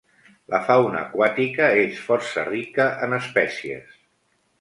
La fauna aquàtica és força rica en espècies.